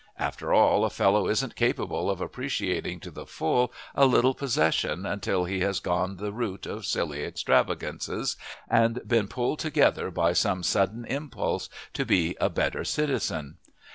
After all, a fellow isn't capable of appreciating to the full a little possession until he has gone the route of silly extravagances and been pulled together by some sudden impulse to be a better citizen.